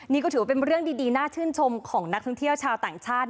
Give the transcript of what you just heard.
นี่ก็ถือว่าเป็นเรื่องดีน่าชื่นชมของนักท่องเที่ยวชาวต่างชาติ